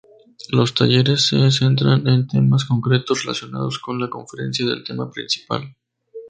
Los talleres se centran en temas concretos relacionados con la conferencia del tema principal.